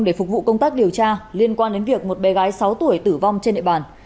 để phục vụ công tác điều tra liên quan đến việc một bé gái sáu tuổi tử vong trên địa bàn